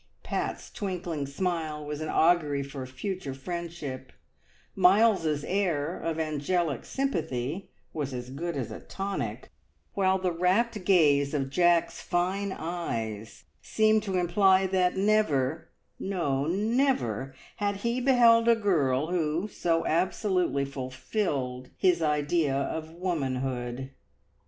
Pat's twinkling smile was an augury for future friendship; Miles's air of angelic sympathy was as good as a tonic; while the rapt gaze of Jack's fine eyes seemed to imply that never, no never, had he beheld a girl who so absolutely fulfilled his ideal of womanhood!